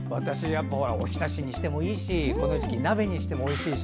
おひたしにしてもいいしこの時期、鍋にしてもおいしいし。